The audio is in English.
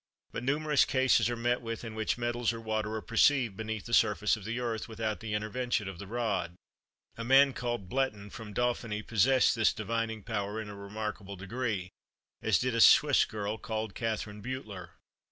But numerous cases are met with, in which metals or water are perceived beneath the surface of the earth, without the intervention of the rod. A man, called Bleton, from Dauphiny, possessed this divining power in a remarkable degree, as did a Swiss girl, called Katherine Beutler.